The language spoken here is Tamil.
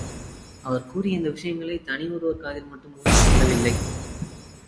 அவர் கூறிய இந்த விஷயங்களைத் தனி ஒருவர் காதில் மட்டும் ஓதிச் சொல்லவில்லை.